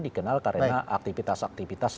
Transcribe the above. dikenal karena aktivitas aktivitas